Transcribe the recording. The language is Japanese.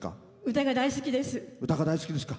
歌が大好きです。